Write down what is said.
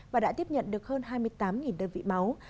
và đã tiếp nhận được hơn hai mươi tám đơn vị máu